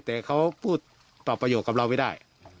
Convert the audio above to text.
แต่เขาพูดตอบประโยชนกับเราไม่ได้